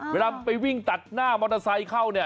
เวลาไปวิ่งตัดหน้ามอเตอร์ไซค์เข้าเนี่ย